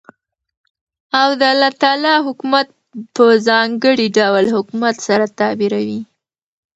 او دالله تعالى حكومت په ځانګړي ډول حكومت سره تعبيروي .